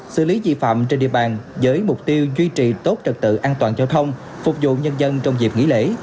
xử lý di phạm trên địa bàn với mục tiêu duy trì tốt trật tự an toàn giao thông phục vụ nhân dân trong dịp nghỉ lễ